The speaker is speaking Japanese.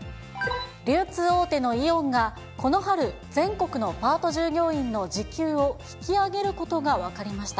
流通大手のイオンが、この春、全国のパート従業員の時給を引き上げることが分かりました。